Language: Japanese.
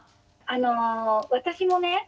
あの私もね